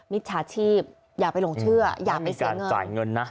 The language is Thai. มิจฉาชีพอยากไปลงเชื่ออยากไปเสียเงิน